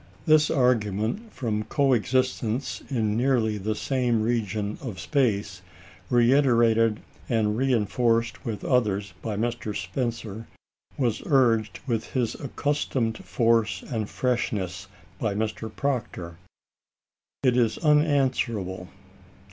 This argument from coexistence in nearly the same region of space, reiterated and reinforced with others by Mr. Spencer, was urged with his accustomed force and freshness by Mr. Proctor. It is unanswerable.